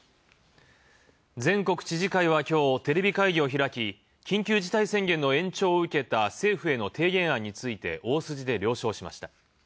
全国知事会は今日、テレビ会議を開き、緊急事態宣言の延長を受けた政府への提言案について大筋で了承しました。